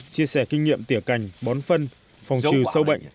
chia sẻ kinh nghiệm tỉa cành bón phân phòng trừ sâu bệnh